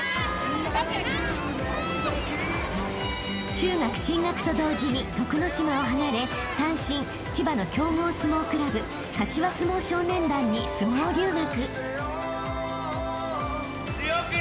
［中学進学と同時に徳之島を離れ単身千葉の強豪相撲クラブ柏相撲少年団に相撲留学］